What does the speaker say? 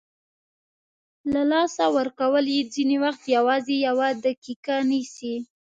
له لاسه ورکول یې ځینې وخت یوازې یوه دقیقه نیسي.